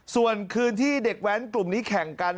ส่วนคืนที่เด็กแว้นกลุ่มนี้แข่งกัน